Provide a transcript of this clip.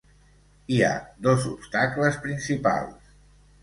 Hi ha dos obstacles principals.